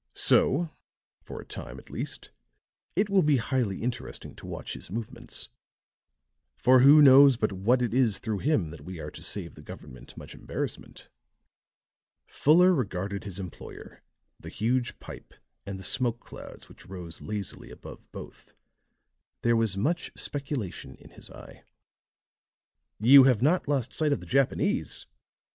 So, for a time at least, it will be highly interesting to watch his movements; for who knows but what it is through him that we are to save the government much embarrassment." Fuller regarded his employer, the huge pipe and the smoke clouds which rose lazily above both; there was much speculation in his eye. "You have not lost sight of the Japanese?"